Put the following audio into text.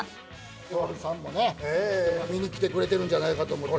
徹さんもね、見に来てくれてるんじゃないかと思ってね。